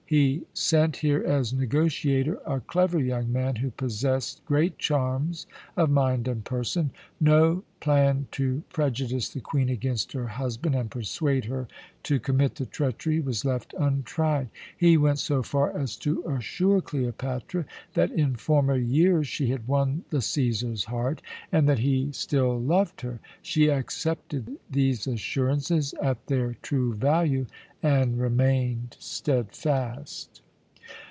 He sent here as negotiator a clever young man, who possessed great charms of mind and person. No plan to prejudice the Queen against her husband and persuade her to commit the treachery was left untried. He went so far as to assure Cleopatra that in former years she had won the Cæsar's heart, and that he still loved her. She accepted these assurances at their true value and remained steadfast.